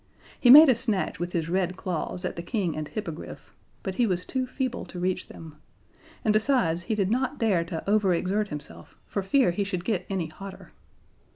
He made a snatch with his red claws at the King and Hippogriff, but he was too feeble to reach them, and besides, he did not dare to overexert himself for fear he should get any hotter.